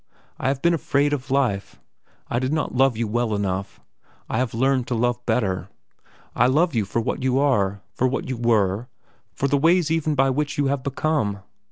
I have been afraid of life. I did not love you well enough. I have learned to love better. I love you for what you are, for what you were, for the ways even by which you have become.